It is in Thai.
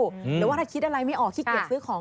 หรือว่าถ้าคิดอะไรไม่ออกขี้เกียจซื้อของ